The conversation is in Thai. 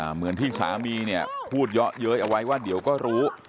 เหมือนที่สามีเนี่ยพูดเยอะเย้ยเอาไว้ว่าเดี๋ยวก็รู้